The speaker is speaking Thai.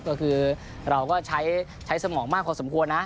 ก็คือเราก็ใช้สมองมากพอสมควรนะ